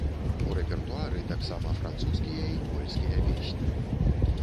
У рэпертуары таксама французскія і польскія песні.